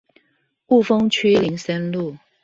霧峰區林森路